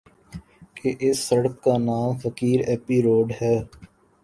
کہ اِس سڑک کا نام فقیر ایپی روڈ ہے